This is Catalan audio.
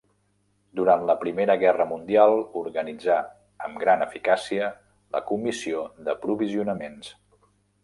Durant la primera guerra mundial organitzà, amb gran eficàcia, la Comissió d'Aprovisionaments.